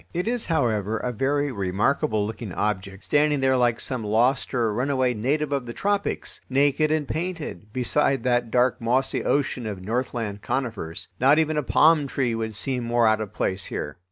It is, however, a very remarkable looking object, standing there like some lost or runaway native of the tropics, naked and painted, beside that dark mossy ocean of northland conifers. Not even a palm tree would seem more out of place here.